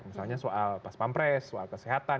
misalnya soal paspampres soal kesehatan